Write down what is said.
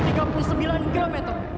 dengan radius ledak